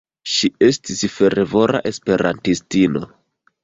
Ŝi estis fervora esperantistino.